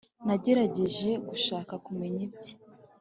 nagerageje gushaka kumenya ibye